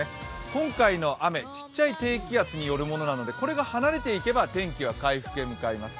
今回の雨、小さい低気圧によるものなので、これが離れていけば、天気は回復へ向かいます。